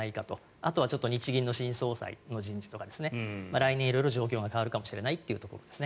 あとは日銀の新総裁の人事とか来年、色々と状況が変わるかもしれないというところですね。